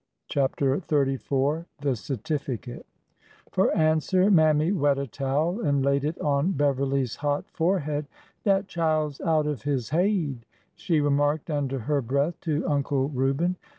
CHAPTER XXXIV THE CERTIFICATE F or answer Mammy wet a towel and laid it on Bev erly's hot forehead. Dat chile 's out of his haid," she remarked under her breath to Uncle Reuben.